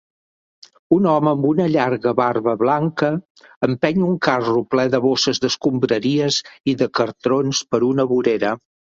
Un home amb una llarga barba blanca empeny un carro ple de bosses d'escombraries i de cartrons per una vorera